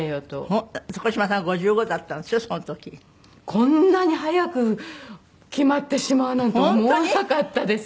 こんなに早く決まってしまうなんて思わなかったです。